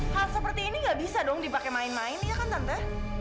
hal seperti ini nggak bisa dong dipakai main main ya kan tante